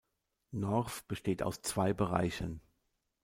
Norf besteht aus zwei Bereichen.